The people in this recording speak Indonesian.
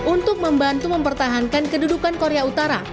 untuk membantu mempertahankan kedudukan korea utara